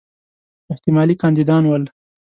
احتمالي کاندیدان ول.